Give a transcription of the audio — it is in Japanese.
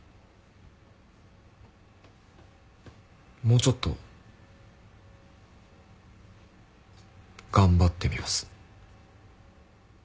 もうちょっと頑張ってみます。